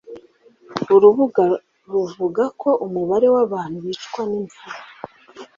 Urubuga ruvugako umubare w'abantu bicwa n'imvubu